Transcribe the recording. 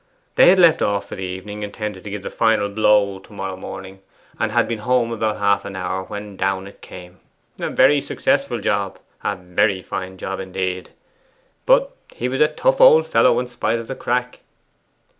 They had left off for the evening, intending to give the final blow to morrow morning, and had been home about half an hour, when down it came. A very successful job a very fine job indeed. But he was a tough old fellow in spite of the crack.